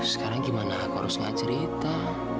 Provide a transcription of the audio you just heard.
sekarang gimana aku harus gak cerita